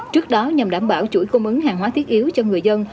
trước đó nhằm đảm bảo chuỗi cung ứng hàng hóa thiết yếu cho người dân